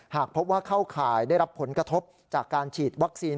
หากพบว่าเข้าข่ายได้รับผลกระทบจากการฉีดวัคซีน